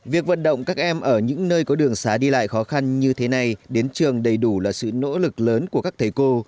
việc vận động các em ở những nơi có đường xá đi lại khó khăn như thế này đến trường đầy đủ là sự nỗ lực lớn của các thầy cô